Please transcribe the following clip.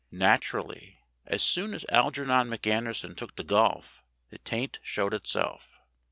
Naturally, as soon as Algernon Me Anderson took to golf, the taint showed itself.